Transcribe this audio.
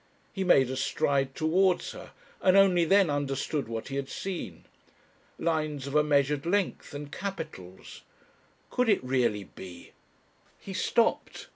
He made a stride towards her, and only then understood what he had seen. Lines of a measured length and capitals! Could it really be ? He stopped.